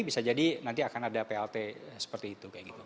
bisa jadi nanti akan ada plt seperti itu